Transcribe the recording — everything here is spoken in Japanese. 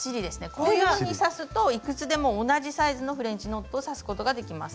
こういうふうに刺すといくつでも同じサイズのフレンチノットを刺すことができます。